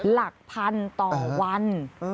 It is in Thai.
หลักพันต่อวัน